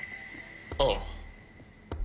ああ。